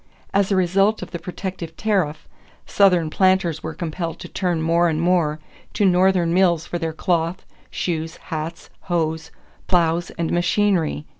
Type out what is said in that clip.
As a result of the protective tariff, Southern planters were compelled to turn more and more to Northern mills for their cloth, shoes, hats, hoes, plows, and machinery.